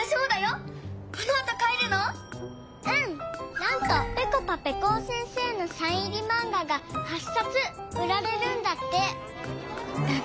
なんかぺこぱぺこお先生のサイン入りマンガが８さつうられるんだって。